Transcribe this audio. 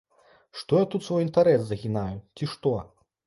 Што я тут свой інтэрас загінаю, ці што?